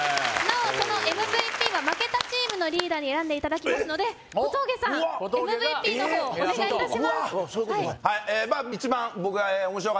そのＭＶＰは負けたチームのリーダーに選んでいただきますので小峠さんＭＶＰの方お願いいたしますうわ！